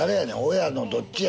親のどっちや？